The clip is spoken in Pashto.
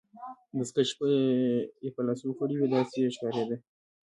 دستکشې يې په لاسو کړي وې، داسې یې ښکاریده.